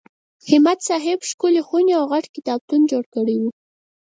همت صاحب ښکلې خونې او غټ کتابتون جوړ کړی و.